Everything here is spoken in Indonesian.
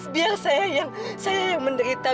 biar saya yang menderita